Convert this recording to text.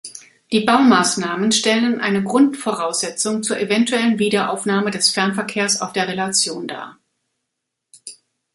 Die Baumaßnahmen stellen eine Grundvoraussetzung zur eventuellen Wiederaufnahme des Fernverkehrs auf der Relation dar.